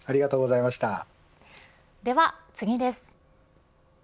では次です。